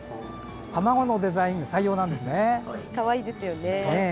卵のデザイン採用なんですね。